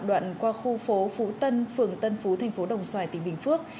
đoạn qua khu phố phú tân phường tân phú thành phố đồng xoài tỉnh bình phước